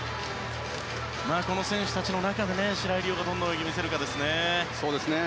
この選手たちの中で白井璃緒がどんな泳ぎを見せるかです。